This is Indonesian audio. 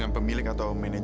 aku berpikir itu salah